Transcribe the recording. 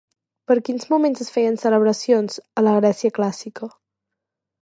Per quins moments es feien celebracions, a la Grècia clàssica?